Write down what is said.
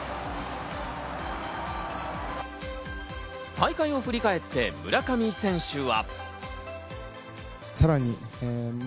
大会を振り返って村上選手は。